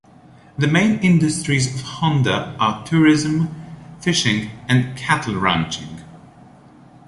The main industries of Honda are tourism, fishing, and cattle-ranching.